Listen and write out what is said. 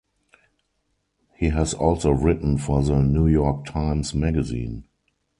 He has also written for the "New York Times Magazine".